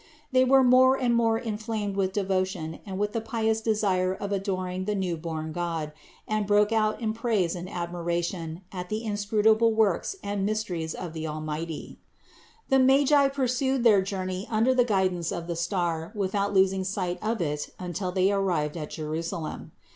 They were more and more inflamed with devotion and with the pious desire of adoring the newborn God, and broke out in praise and admiration at the inscrutable works and mysteries of the Almighty. THE INCARNATION 471 557. The Magi pursued their journey under the guid ance of the star without losing sight of it until they arrived at Jerusalem.